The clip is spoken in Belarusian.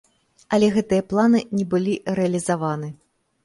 Але гэтыя планы не былі рэалізаваны.